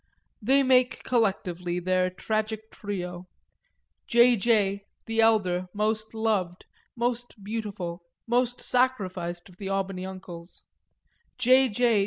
They make collectively their tragic trio: J. J. the elder, most loved, most beautiful, most sacrificed of the Albany uncles; J. J.